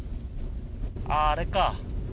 ああ、あれか。